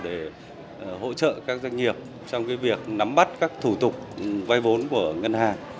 để hỗ trợ các doanh nghiệp trong việc nắm bắt các thủ tục vay vốn của ngân hàng